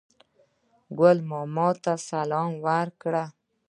ګل ماما ته سلام ورکړ.